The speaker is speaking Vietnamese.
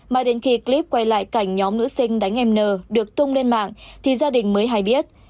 mà đến khi clip quay lại cảnh nhóm nữ sinh đánh em n được tung lên mạng thì gia đình mới hay biết